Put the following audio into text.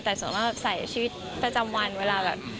แต่ส่วนมากใส่ชีวิตประจำวันเวลาแบบ